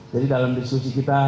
jadi dalam diskusi kita